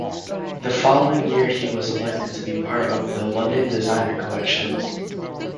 The following year he was elected to be part of the London Designer collections.